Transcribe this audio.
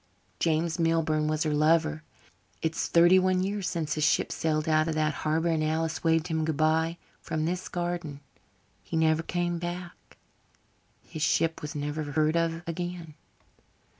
James Milburn was her lover. It's thirty one years since his ship sailed out of that harbour and Alice waved him good bye from this garden. He never came back. His ship was never heard of again.